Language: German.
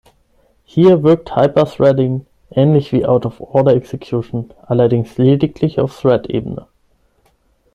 Hier wirkt Hyper-Threading ähnlich wie out-of-order execution, allerdings lediglich auf Thread-Ebene.